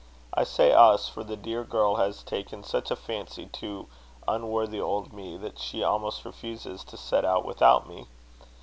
I say us; for the dear girl has taken such a fancy to unworthy old me, that she almost refuses to set out without me.